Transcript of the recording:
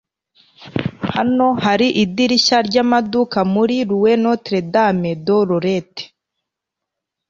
hano hari idirishya ryamaduka muri rue notre-dame-de-lorette